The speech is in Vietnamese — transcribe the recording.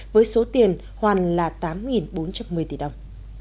với số tiền hoàn là tám bốn trăm một mươi tỷ đồng